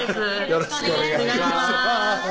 よろしくお願いします